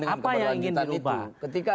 apa yang ingin berubah